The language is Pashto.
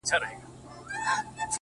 ستا سومه _چي ستا سومه _چي ستا سومه _